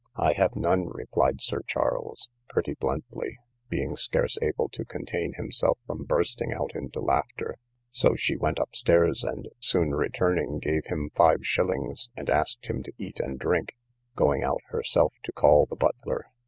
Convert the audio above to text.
I have none, replied Sir Charles, pretty bluntly, being scarce able to contain himself from bursting out into laughter; so she went up stairs, and soon returning, gave him five shillings, and asked him to eat and drink, going out herself to call the butler.